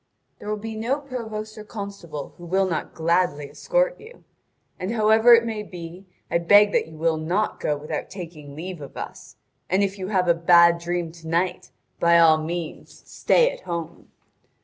There will be no provost or constable who will not gladly escort you. And however it may be, I beg that you will not go without taking leave of us; and if you have a bad dream to night, by all means stay at home!"